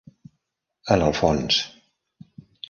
En el fons